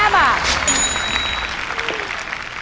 ๕บาท